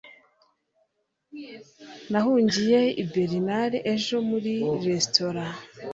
Nahungiye i Bernard ejo muri resitora